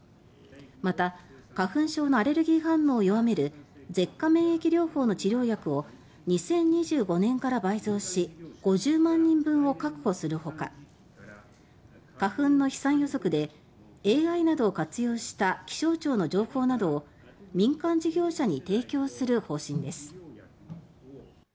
また、花粉症のアレルギー反応を弱める舌下免疫療法の治療薬を２０２５年から倍増し５０万人分を確保するほか花粉の飛散予測でＡＩなどを活用した気象庁の情報などを民間事業者に提供する方針です。